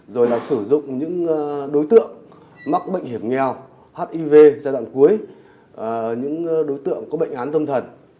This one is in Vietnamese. rồi là sử dụng những đối tượng mắc bệnh hiểm nghèo hiv giai đoạn cuối những đối tượng có bệnh án tâm thần